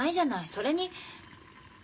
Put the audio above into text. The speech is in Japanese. それに。